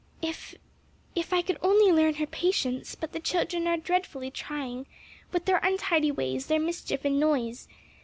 "If if I could only learn her patience; but the children are dreadfully trying with their untidy ways, their mischief and noise.